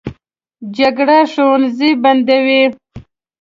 جګړه ښوونځي بندوي